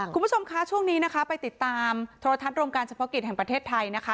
คุณผู้ชมคะช่วงนี้นะคะไปติดตามโทรทัศน์รวมการเฉพาะกิจแห่งประเทศไทยนะคะ